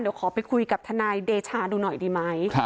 เดี๋ยวขอไปคุยกับทนายเดชาดูหน่อยดีไหม